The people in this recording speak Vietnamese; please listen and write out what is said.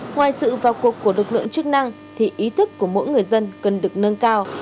ngoài sự vào cuộc của lực lượng chức năng thì ý thức của mỗi người dân cần được nâng cao